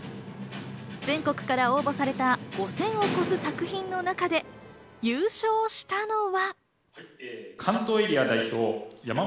全国から応募された５０００を超す作品の中で、優勝したのは。